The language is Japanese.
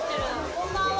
こんばんは！